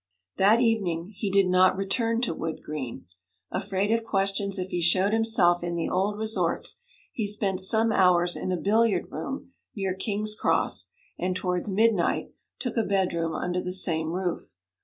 That evening he did not return to Wood Green. Afraid of questions if he showed himself in the old resorts, he spent some hours in a billiard room near King's Cross, and towards midnight took a bedroom under the same roof.